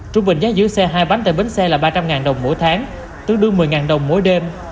trung bình giá giữ xe hai bánh tại bến xe là ba trăm linh đồng mỗi tháng tương đương một mươi đồng mỗi đêm